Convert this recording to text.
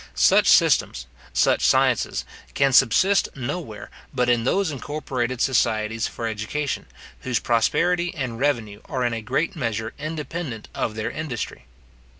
Such systems, such sciences, can subsist nowhere but in those incorporated societies for education, whose prosperity and revenue are in a great measure independent of their industry.